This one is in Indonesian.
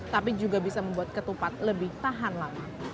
tapi juga bisa membuat ketupat lebih tahan lama